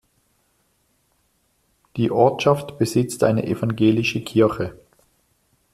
Die Ortschaft besitzt eine evangelische Kirche.